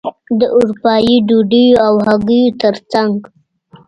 د اروپايي ډوډیو او هګیو ترڅنګ.